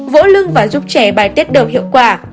vỗ lưng và giúp trẻ bài tiết đờm hiệu quả